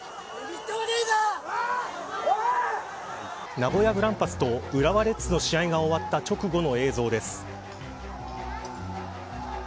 名古屋グランパスと浦和レッズの試合が終わった直後の映像です。